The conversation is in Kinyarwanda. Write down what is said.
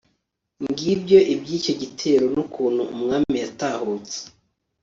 ngibyo iby'icyo gitero n'ukuntu umwami yatahutse